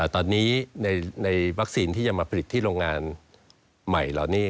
ตอนนี้ในวัคซีนที่จะมาผลิตที่โรงงานใหม่เหล่านี้